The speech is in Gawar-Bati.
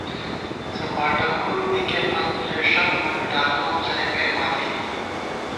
څپاٹہ کھُر بِکے پت ہېݭم پوری ڈاکہ وُنزَئی گَئیماں بی